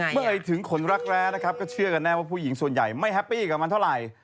เมื่อเอ่ยถึงขนรักแร้นะครับก็เชื่อกันแน่ว่าผู้หญิงส่วนใหญ่ไม่แฮปปี้กับมันเท่าไหร่